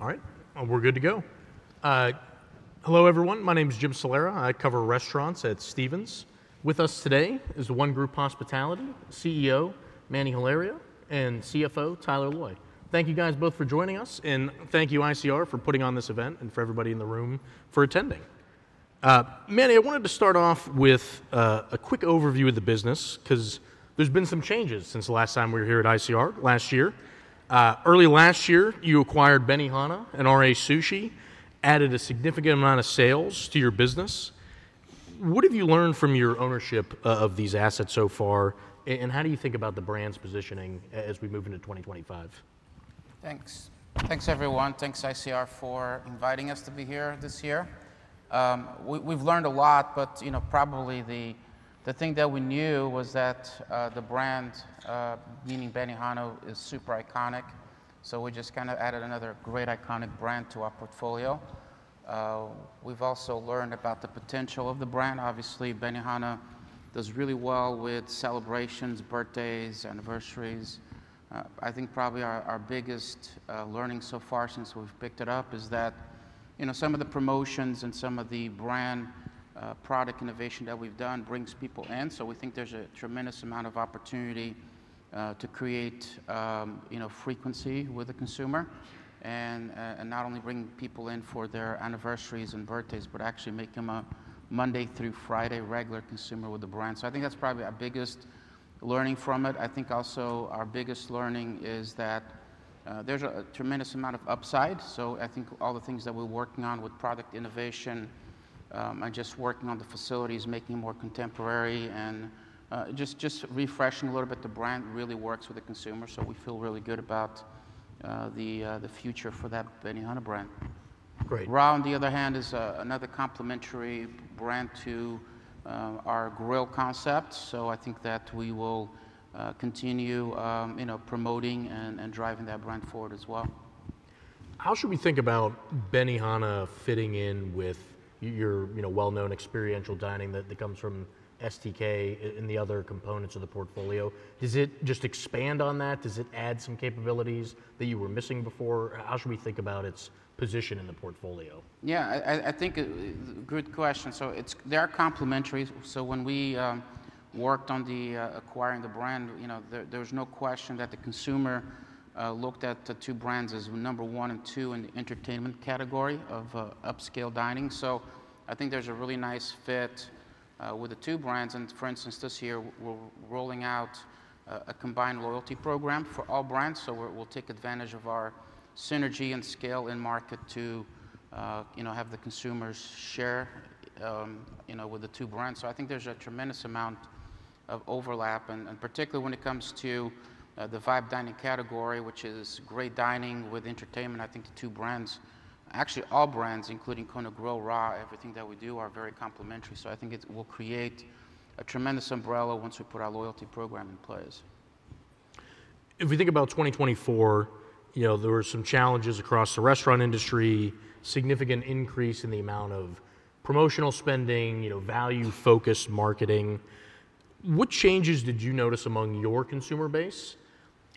All right, we're good to go. Hello, everyone. My name is Jim Salera. I cover restaurants at Stephens. With us today is ONE Group Hospitality CEO Manny Hilario and CFO Tyler Loy. Thank you, guys, both for joining us, and thank you, ICR, for putting on this event and for everybody in the room for attending. Manny, I wanted to start off with a quick overview of the business because there's been some changes since the last time we were here at ICR last year. Early last year, you acquired Benihana and RA Sushi, added a significant amount of sales to your business. What have you learned from your ownership of these assets so far, and how do you think about the brand's positioning as we move into 2025? Thanks. Thanks, everyone. Thanks, ICR, for inviting us to be here this year. We've learned a lot, but probably the thing that we knew was that the brand, meaning Benihana, is super iconic. So we just kind of added another great iconic brand to our portfolio. We've also learned about the potential of the brand. Obviously, Benihana does really well with celebrations, birthdays, anniversaries. I think probably our biggest learning so far since we've picked it up is that some of the promotions and some of the brand product innovation that we've done brings people in. So we think there's a tremendous amount of opportunity to create frequency with the consumer and not only bring people in for their anniversaries and birthdays, but actually make them a Monday through Friday regular consumer with the brand. So I think that's probably our biggest learning from it. I think also our biggest learning is that there's a tremendous amount of upside. So I think all the things that we're working on with product innovation and just working on the facilities, making it more contemporary and just refreshing a little bit, the brand really works with the consumer. So we feel really good about the future for that Benihana brand. Great. Sushi, on the other hand, is another complementary brand to our grill concept. So I think that we will continue promoting and driving that brand forward as well. How should we think about Benihana fitting in with your well-known experiential dining that comes from STK and the other components of the portfolio? Does it just expand on that? Does it add some capabilities that you were missing before? How should we think about its position in the portfolio? Yeah, I think a good question. So they are complementary. So when we worked on acquiring the brand, there was no question that the consumer looked at the two brands as number one and two in the entertainment category of upscale dining. So I think there's a really nice fit with the two brands. And for instance, this year, we're rolling out a combined loyalty program for all brands. So we'll take advantage of our synergy and scale in market to have the consumers share with the two brands. So I think there's a tremendous amount of overlap, and particularly when it comes to the vibe dining category, which is great dining with entertainment. I think the two brands, actually all brands, including Kona Grill, RA, everything that we do are very complementary. So I think it will create a tremendous umbrella once we put our loyalty program in place. If we think about 2024, there were some challenges across the restaurant industry, significant increase in the amount of promotional spending, value-focused marketing. What changes did you notice among your consumer base,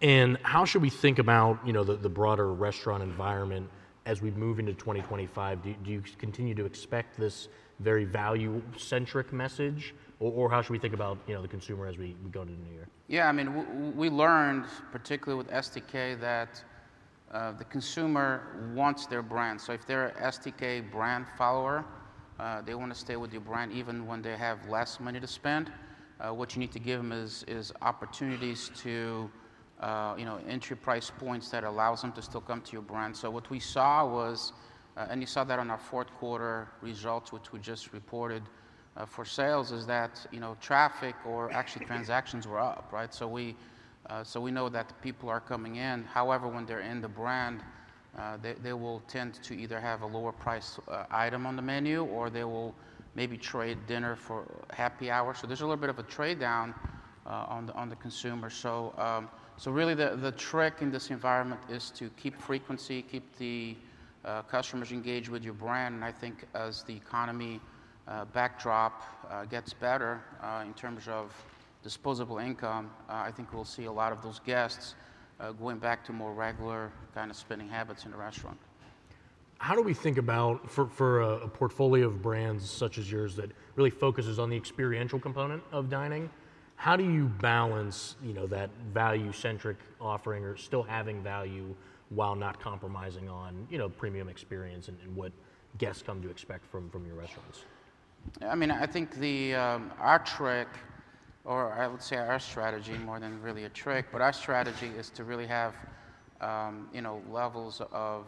and how should we think about the broader restaurant environment as we move into 2025? Do you continue to expect this very value-centric message, or how should we think about the consumer as we go into the new year? Yeah, I mean, we learned, particularly with STK, that the consumer wants their brand. So if they're an STK brand follower, they want to stay with your brand even when they have less money to spend. What you need to give them is opportunities to enter price points that allow them to still come to your brand. So what we saw was, and you saw that on our fourth quarter results, which we just reported for sales, is that traffic or actually transactions were up, right? So we know that people are coming in. However, when they're in the brand, they will tend to either have a lower price item on the menu or they will maybe trade dinner for happy hour. So there's a little bit of a trade down on the consumer. So really, the trick in this environment is to keep frequency, keep the customers engaged with your brand. And I think as the economy backdrop gets better in terms of disposable income, I think we'll see a lot of those guests going back to more regular kind of spending habits in a restaurant. How do we think about, for a portfolio of brands such as yours that really focuses on the experiential component of dining, how do you balance that value-centric offering or still having value while not compromising on premium experience and what guests come to expect from your restaurants? I mean, I think our trick, or I would say our strategy, more than really a trick, but our strategy is to really have levels of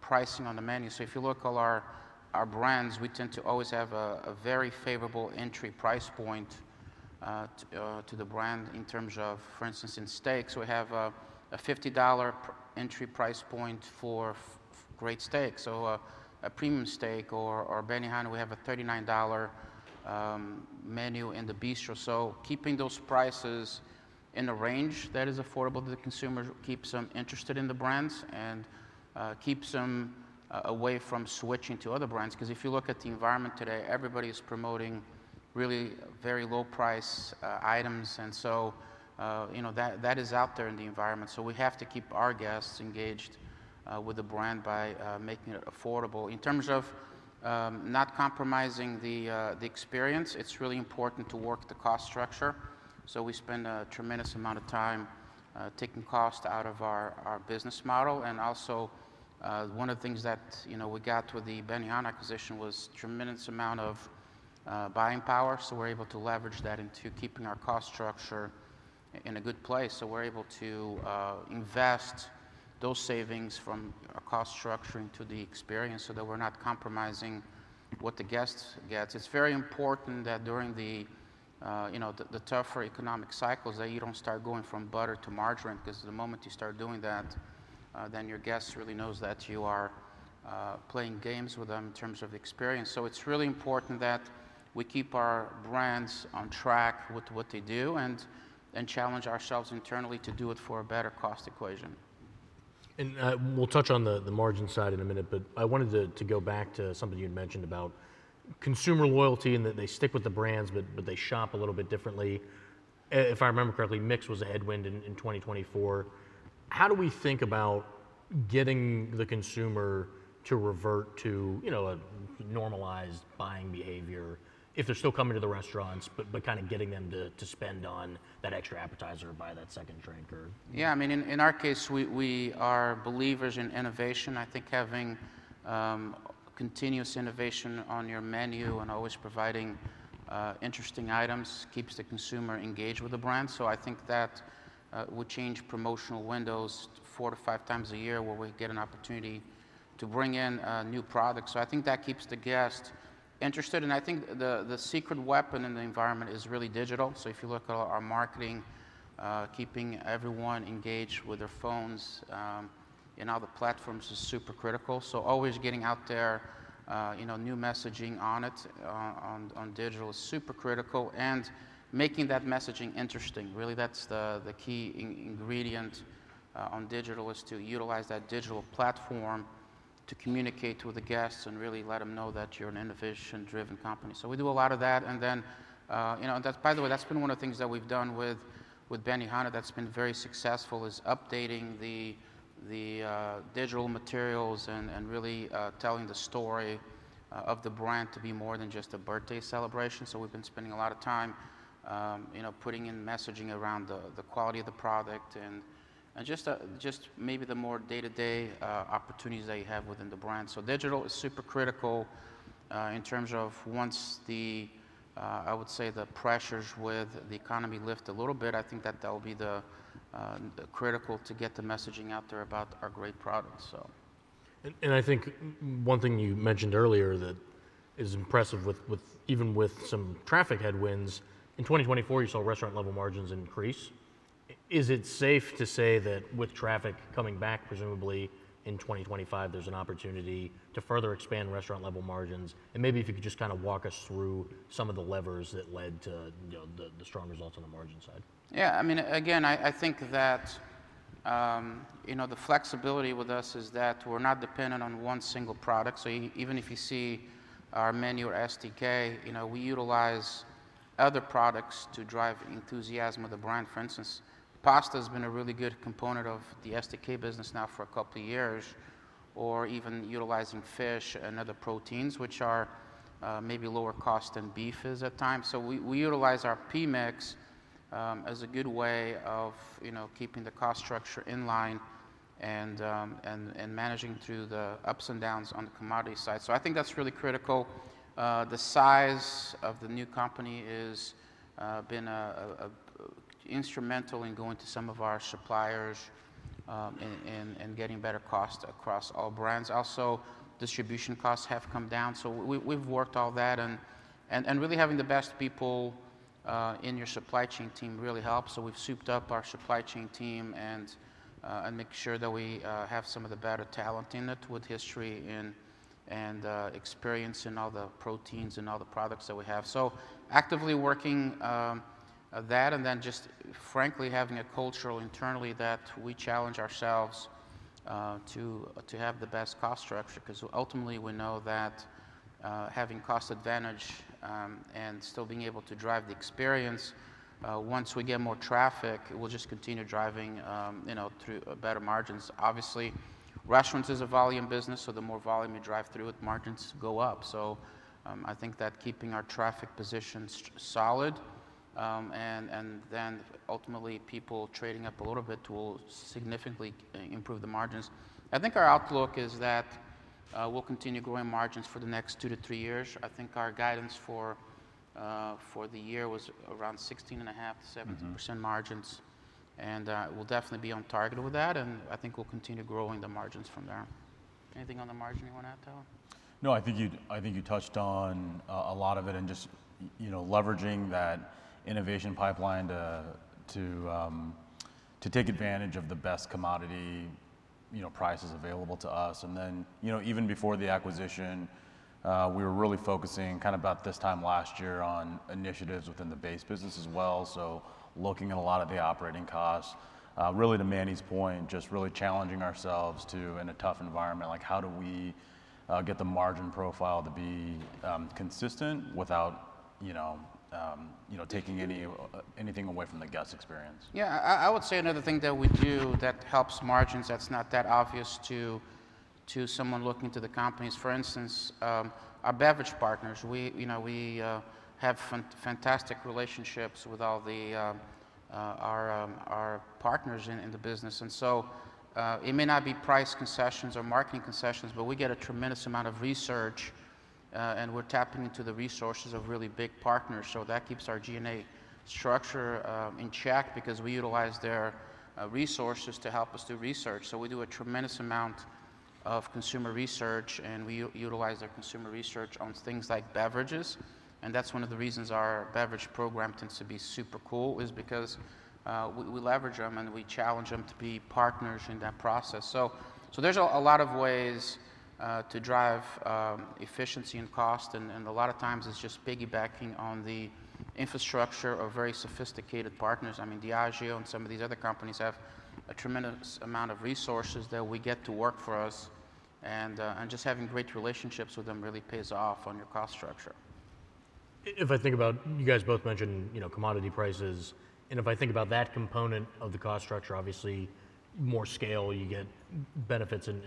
pricing on the menu. So if you look at all our brands, we tend to always have a very favorable entry price point to the brand in terms of, for instance, in steaks, we have a $50 entry price point for great steaks. So a premium steak or Benihana, we have a $39 menu in the bistro. So keeping those prices in a range that is affordable to the consumer keeps them interested in the brands and keeps them away from switching to other brands. Because if you look at the environment today, everybody is promoting really very low-priced items. And so that is out there in the environment. So we have to keep our guests engaged with the brand by making it affordable. In terms of not compromising the experience, it's really important to work the cost structure, so we spend a tremendous amount of time taking cost out of our business model, and also, one of the things that we got with the Benihana acquisition was a tremendous amount of buying power, so we're able to leverage that into keeping our cost structure in a good place, so we're able to invest those savings from our cost structure into the experience so that we're not compromising what the guest gets. It's very important that during the tougher economic cycles, that you don't start going from butter to margarine because the moment you start doing that, then your guest really knows that you are playing games with them in terms of experience. It's really important that we keep our brands on track with what they do and challenge ourselves internally to do it for a better cost equation. We'll touch on the margin side in a minute, but I wanted to go back to something you had mentioned about consumer loyalty and that they stick with the brands, but they shop a little bit differently. If I remember correctly, MYX was a headwind in 2024. How do we think about getting the consumer to revert to a normalized buying behavior if they're still coming to the restaurants, but kind of getting them to spend on that extra appetizer or buy that second drink? Yeah, I mean, in our case, we are believers in innovation. I think having continuous innovation on your menu and always providing interesting items keeps the consumer engaged with the brand. So I think that would change promotional windows four to five times a year where we get an opportunity to bring in new products. So I think that keeps the guest interested. And I think the secret weapon in the environment is really digital. So if you look at our marketing, keeping everyone engaged with their phones and other platforms is super critical. So always getting out there new messaging on it on digital is super critical and making that messaging interesting. Really, that's the key ingredient on digital is to utilize that digital platform to communicate with the guests and really let them know that you're an innovation-driven company. So we do a lot of that. And then, by the way, that's been one of the things that we've done with Benihana that's been very successful is updating the digital materials and really telling the story of the brand to be more than just a birthday celebration. So we've been spending a lot of time putting in messaging around the quality of the product and just maybe the more day-to-day opportunities that you have within the brand. So digital is super critical in terms of once the, I would say, the pressures with the economy lift a little bit. I think that that will be critical to get the messaging out there about our great products. And I think one thing you mentioned earlier that is impressive even with some traffic headwinds, in 2024, you saw restaurant-level margins increase. Is it safe to say that with traffic coming back, presumably in 2025, there's an opportunity to further expand restaurant-level margins? And maybe if you could just kind of walk us through some of the levers that led to the strong results on the margin side. Yeah, I mean, again, I think that the flexibility with us is that we're not dependent on one single product. So even if you see our menu or STK, we utilize other products to drive enthusiasm of the brand. For instance, pasta has been a really good component of the STK business now for a couple of years, or even utilizing fish and other proteins, which are maybe lower cost than beef at times. So we utilize our PMIX as a good way of keeping the cost structure in line and managing through the ups and downs on the commodity side. So I think that's really critical. The size of the new company has been instrumental in going to some of our suppliers and getting better costs across all brands. Also, distribution costs have come down. So we've worked all that. Really, having the best people in your supply chain team really helps. We've souped up our supply chain team and make sure that we have some of the better talent in it with history and experience in all the proteins and all the products that we have. Actively working that and then just frankly having a culture internally that we challenge ourselves to have the best cost structure because ultimately we know that having cost advantage and still being able to drive the experience, once we get more traffic, we'll just continue driving through better margins. Obviously, restaurants is a volume business. The more volume you drive through, margins go up. I think that keeping our traffic positions solid and then ultimately people trading up a little bit will significantly improve the margins. I think our outlook is that we'll continue growing margins for the next two to three years. I think our guidance for the year was around 16.5%-17% margins. We'll definitely be on target with that. I think we'll continue growing the margins from there. Anything on the margin you want to add, Tyler? No, I think you touched on a lot of it and just leveraging that innovation pipeline to take advantage of the best commodity prices available to us. And then even before the acquisition, we were really focusing kind of about this time last year on initiatives within the base business as well. So looking at a lot of the operating costs, really to Manny's point, just really challenging ourselves too in a tough environment, like how do we get the margin profile to be consistent without taking anything away from the guest experience? Yeah, I would say another thing that we do that helps margins that's not that obvious to someone looking to the companies, for instance, our beverage partners. We have fantastic relationships with all our partners in the business. And so it may not be price concessions or marketing concessions, but we get a tremendous amount of research and we're tapping into the resources of really big partners. So that keeps our G&A structure in check because we utilize their resources to help us do research. So we do a tremendous amount of consumer research and we utilize our consumer research on things like beverages. And that's one of the reasons our beverage program tends to be super cool is because we leverage them and we challenge them to be partners in that process. So there's a lot of ways to drive efficiency and cost. And a lot of times it's just piggybacking on the infrastructure of very sophisticated partners. I mean, Diageo and some of these other companies have a tremendous amount of resources that we get to work for us. And just having great relationships with them really pays off on your cost structure. If I think about you guys both mentioned commodity prices, and if I think about that component of the cost structure, obviously more scale, you get benefits and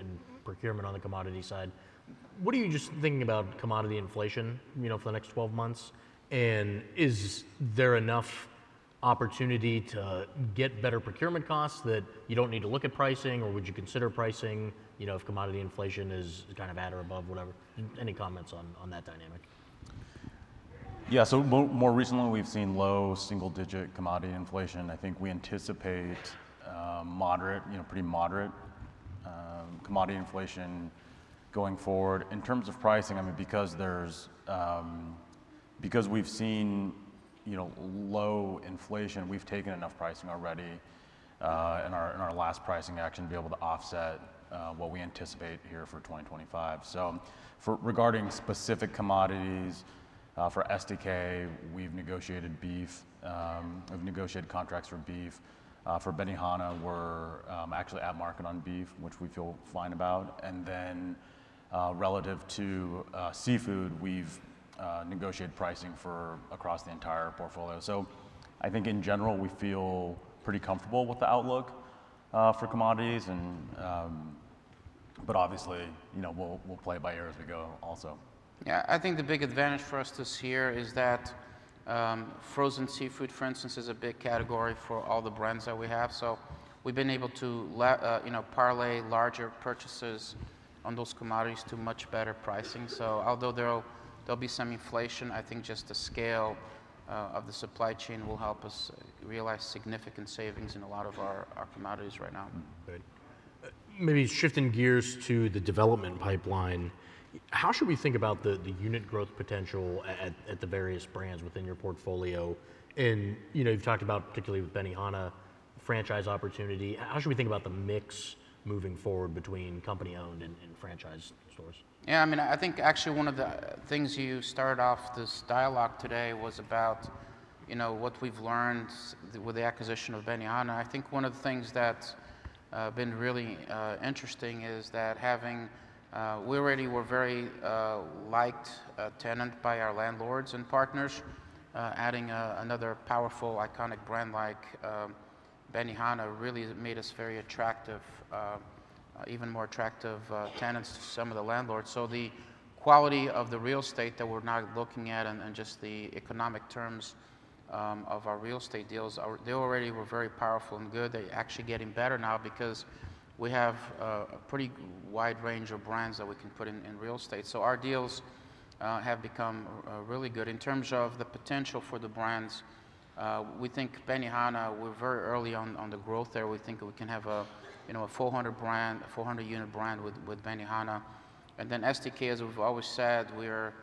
procurement on the commodity side. What are you just thinking about commodity inflation for the next 12 months? And is there enough opportunity to get better procurement costs that you don't need to look at pricing or would you consider pricing if commodity inflation is kind of at or above whatever? Any comments on that dynamic? Yeah, so more recently we've seen low single-digit commodity inflation. I think we anticipate moderate, pretty moderate commodity inflation going forward. In terms of pricing, I mean, because we've seen low inflation, we've taken enough pricing already in our last pricing action to be able to offset what we anticipate here for 2025. So regarding specific commodities for STK, we've negotiated beef. We've negotiated contracts for beef. For Benihana, we're actually at market on beef, which we feel fine about. And then relative to seafood, we've negotiated pricing for across the entire portfolio. So I think in general, we feel pretty comfortable with the outlook for commodities. But obviously, we'll play it by ear as we go also. Yeah, I think the big advantage for us this year is that frozen seafood, for instance, is a big category for all the brands that we have. So we've been able to parlay larger purchases on those commodities to much better pricing. So although there'll be some inflation, I think just the scale of the supply chain will help us realize significant savings in a lot of our commodities right now. Maybe shifting gears to the development pipeline. How should we think about the unit growth potential at the various brands within your portfolio? And you've talked about particularly with Benihana franchise opportunity. How should we think about the mix moving forward between company-owned and franchise stores? Yeah, I mean, I think actually one of the things you started off this dialogue today was about what we've learned with the acquisition of Benihana. I think one of the things that's been really interesting is that having, we already were very liked tenants by our landlords and partners. Adding another powerful iconic brand like Benihana really made us very attractive, even more attractive tenants to some of the landlords. So the quality of the real estate that we're now looking at and just the economic terms of our real estate deals, they already were very powerful and good. They're actually getting better now because we have a pretty wide range of brands that we can put in real estate. So our deals have become really good. In terms of the potential for the brands, we think Benihana, we're very early on the growth there. We think we can have a 400-unit brand with Benihana, and then STK, as we've always said, we're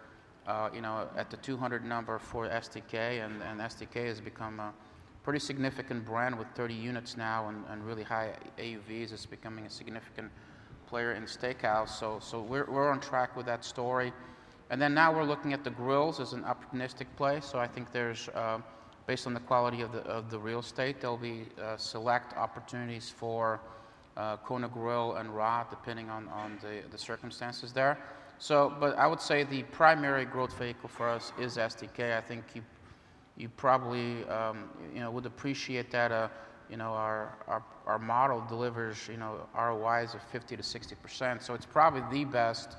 at the 200 number for STK. And STK has become a pretty significant brand with 30 units now and really high AUVs. It's becoming a significant player in the steakhouse. We're on track with that story, and then now we're looking at the grills as an opportunistic place. I think there's, based on the quality of the real estate, there'll be select opportunities for Kona Grill and RA depending on the circumstances there. I would say the primary growth vehicle for us is STK. I think you probably would appreciate that our model delivers ROIs of 50%-60%. It's probably the best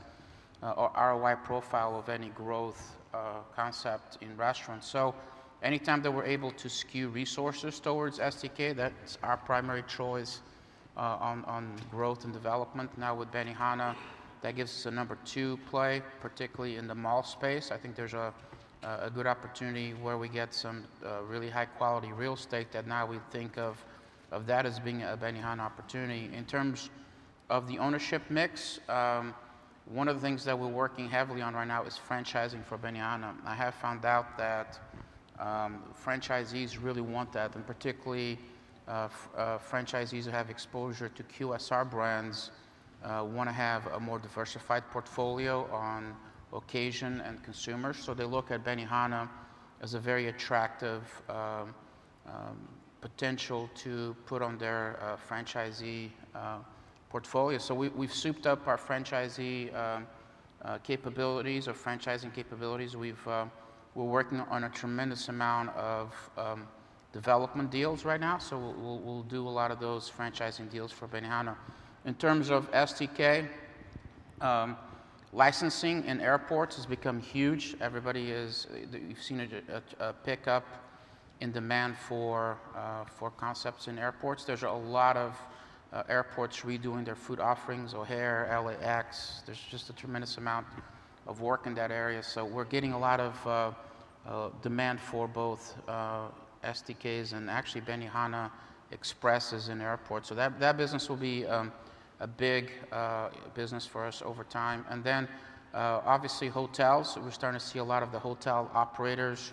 ROI profile of any growth concept in restaurants. So anytime that we're able to skew resources towards STK, that's our primary choice on growth and development. Now with Benihana, that gives us a number two play, particularly in the mall space. I think there's a good opportunity where we get some really high-quality real estate that now we think of that as being a Benihana opportunity. In terms of the ownership mix, one of the things that we're working heavily on right now is franchising for Benihana. I have found out that franchisees really want that, and particularly franchisees who have exposure to QSR brands want to have a more diversified portfolio on occasion and consumers. So they look at Benihana as a very attractive potential to put on their franchisee portfolio. So we've souped up our franchisee capabilities or franchising capabilities. We're working on a tremendous amount of development deals right now. So we'll do a lot of those franchising deals for Benihana. In terms of STK, licensing in airports has become huge. You've seen a pickup in demand for concepts in airports. There's a lot of airports redoing their food offerings, O'Hare, LAX. There's just a tremendous amount of work in that area. So we're getting a lot of demand for both STKs and actually Benihana Expresses in airports. So that business will be a big business for us over time. And then obviously hotels, we're starting to see a lot of the hotel operators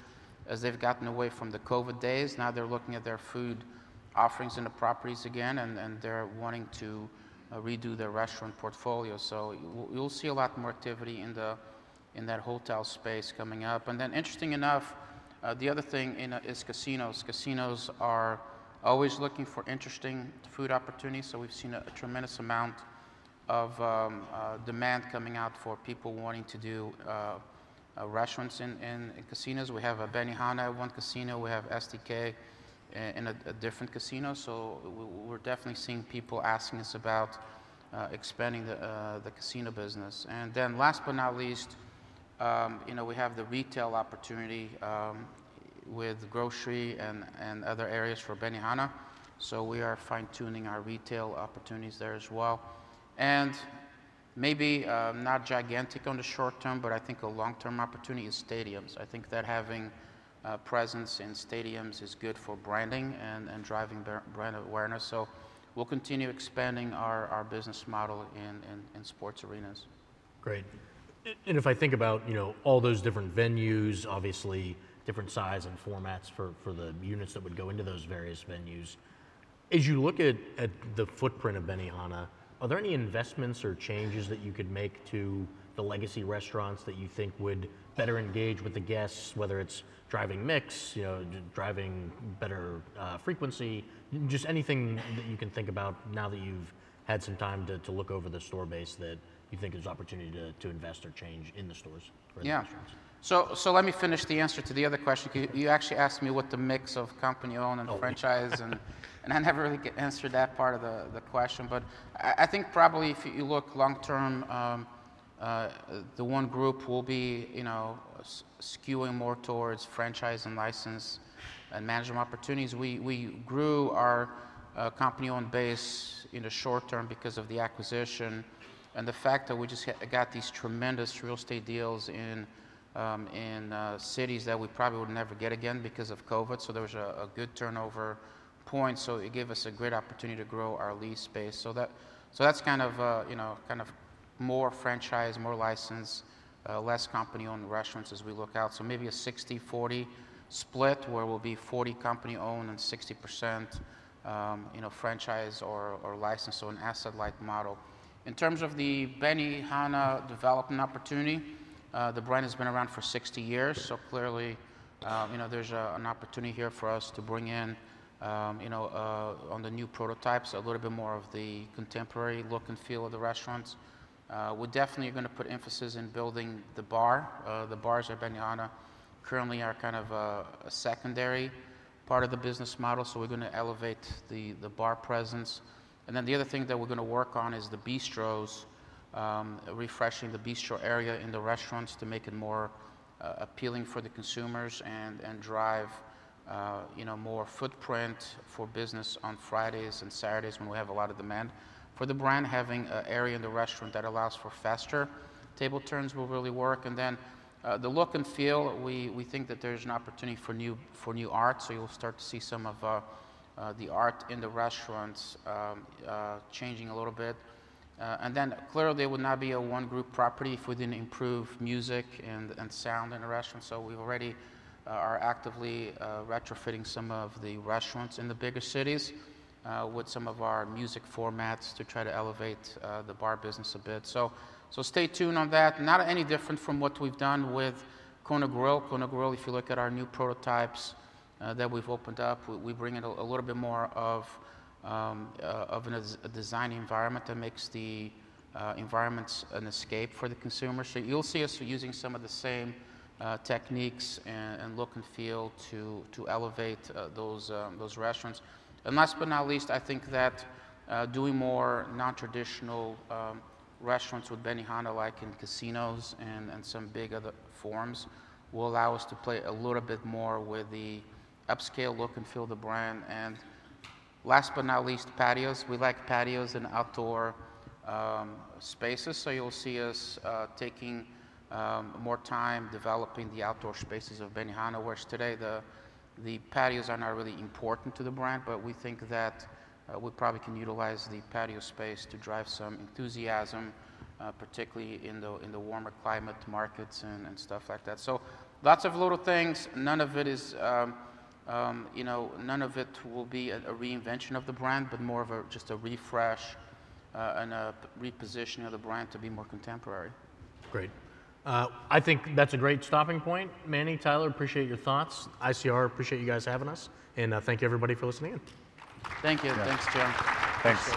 as they've gotten away from the COVID days. Now they're looking at their food offerings in the properties again, and they're wanting to redo their restaurant portfolio. So you'll see a lot more activity in that hotel space coming up. And then interestingly enough, the other thing is casinos. Casinos are always looking for interesting food opportunities, so we've seen a tremendous amount of demand coming out for people wanting to do restaurants in casinos. We have a Benihana in one casino. We have STK in a different casino, so we're definitely seeing people asking us about expanding the casino business. And then last but not least, we have the retail opportunity with grocery and other areas for Benihana, so we are fine-tuning our retail opportunities there as well. And maybe not gigantic on the short term, but I think a long-term opportunity is stadiums. I think that having a presence in stadiums is good for branding and driving brand awareness, so we'll continue expanding our business model in sports arenas. Great. And if I think about all those different venues, obviously different size and formats for the units that would go into those various venues, as you look at the footprint of Benihana, are there any investments or changes that you could make to the legacy restaurants that you think would better engage with the guests, whether it's driving mix, driving better frequency, just anything that you can think about now that you've had some time to look over the store base that you think there's opportunity to invest or change in the stores or the restaurants? Yeah, so let me finish the answer to the other question. You actually asked me what the mix of company-owned and franchise, and I never really answered that part of the question. But I think probably if you look long term, the ONE Group will be skewing more towards franchise and license and management opportunities. We grew our company-owned base in the short term because of the acquisition and the fact that we just got these tremendous real estate deals in cities that we probably would never get again because of COVID, so there was a good turnover point, so it gave us a great opportunity to grow our lease space, so that's kind of more franchise, more license, less company-owned restaurants as we look out. So maybe a 60/40 split where we'll be 40 company-owned and 60% franchise or license, so an asset-like model. In terms of the Benihana development opportunity, the brand has been around for 60 years. Clearly there's an opportunity here for us to bring in on the new prototypes a little bit more of the contemporary look and feel of the restaurants. We're definitely going to put emphasis in building the bar. The bars at Benihana currently are kind of a secondary part of the business model. We're going to elevate the bar presence. Then the other thing that we're going to work on is the bistros, refreshing the bistro area in the restaurants to make it more appealing for the consumers and drive more footprint for business on Fridays and Saturdays when we have a lot of demand. For the brand, having an area in the restaurant that allows for faster table turns will really work. And then the look and feel, we think that there's an opportunity for new art. So you'll start to see some of the art in the restaurants changing a little bit. And then clearly there would not be a ONE Group property if we didn't improve music and sound in the restaurants. So we already are actively retrofitting some of the restaurants in the bigger cities with some of our music formats to try to elevate the bar business a bit. So stay tuned on that. Not any different from what we've done with Kona Grill. Kona Grill, if you look at our new prototypes that we've opened up, we bring in a little bit more of a design environment that makes the environments an escape for the consumers. So you'll see us using some of the same techniques and look and feel to elevate those restaurants. And last but not least, I think that doing more non-traditional restaurants with Benihana like in casinos and some bigger forms will allow us to play a little bit more with the upscale look and feel of the brand. And last but not least, patios. We like patios in outdoor spaces. So you'll see us taking more time developing the outdoor spaces of Benihana, whereas today the patios are not really important to the brand, but we think that we probably can utilize the patio space to drive some enthusiasm, particularly in the warmer climate markets and stuff like that. So lots of little things. None of it is, none of it will be a reinvention of the brand, but more of just a refresh and a repositioning of the brand to be more contemporary. Great. I think that's a great stopping point. Manny, Tyler, appreciate your thoughts. ICR, appreciate you guys having us, and thank you everybody for listening in. Thank you. Thanks, Jim. Thanks.